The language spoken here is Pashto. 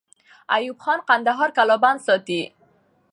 ایوب خان کندهار قلابند ساتي.